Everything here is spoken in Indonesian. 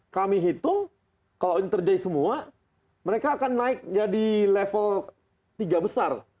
kami hitung kalau ini terjadi semua mereka akan naik jadi level tiga besar